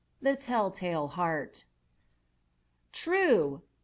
_ THE TELL TALE HEART. True!